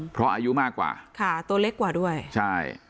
พอก็ตัวเล็กผอมส่วนไอ้เต้ยเนี่ยตัวใหญ่กว่ามาก